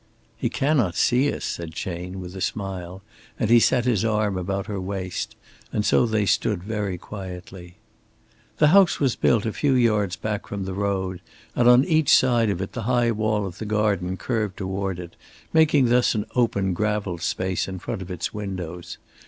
"He cannot see us," said Chayne, with a smile, and he set his arm about her waist; and so they stood very quietly. The house was built a few yards back from the road, and on each side of it the high wall of the garden curved in toward it, making thus an open graveled space in front of its windows.